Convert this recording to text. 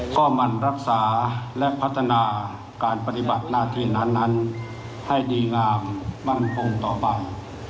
ก็มันรักษาและพัฒนาการปฏิบัติหน้าที่นั้นให้ดีงามมั่นคงต่อไป